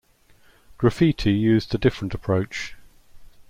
Graffiti used a different approach.